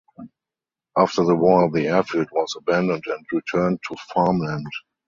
After the war the Airfield was abandoned and returned to farmland.